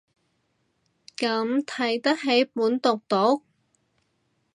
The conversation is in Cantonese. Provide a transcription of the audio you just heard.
咁睇得起本毒毒